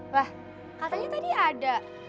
wah katanya tadi ada